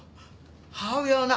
母親をな